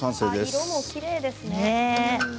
色もきれいですね。